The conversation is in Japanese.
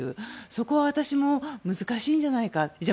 そこは私も難しいんじゃないかと思います。